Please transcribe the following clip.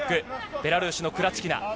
ベラルーシのクラチキナ。